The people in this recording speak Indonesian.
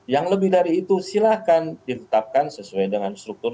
yang lebih dari itu silahkan ditetapkan sesuai dengan struktur